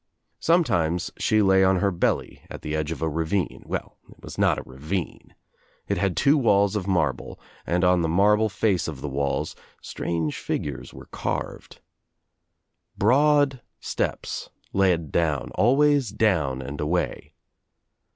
Sometimes she lay on her belly at the edge of a ravine. Well it was not a ravine. It had two walls of marble and on the marble face of the walls itrange figures were carved. Broad steps led down — always down and away.